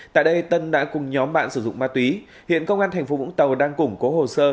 tại đây tân đã cùng nhóm bạn sử dụng ma túy hiện công an thành phố vũng tàu đang củng cố hồ sơ